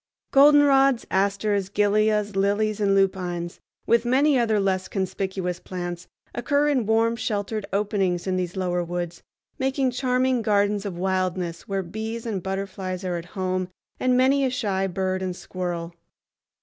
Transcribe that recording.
Goldenrods, asters, gilias, lilies, and lupines, with many other less conspicuous plants, occur in warm sheltered openings in these lower woods, making charming gardens of wildness where bees and butterflies are at home and many a shy bird and squirrel.